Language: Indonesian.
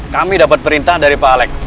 kami dapet perintah dari pak alek